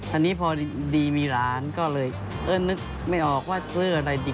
อันนี้พอดีมีหลานก็เลยเออนึกไม่ออกว่าเสื้ออะไรดี